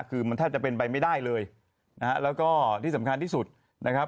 คือมันแทบจะเป็นไปไม่ได้เลยนะฮะแล้วก็ที่สำคัญที่สุดนะครับ